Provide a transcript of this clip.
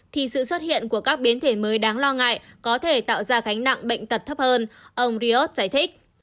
thì sự xuất hiện của các biến thể mới đáng lo ngại có thể tạo ra gánh nặng bệnh tật thấp hơn ông rios giải thích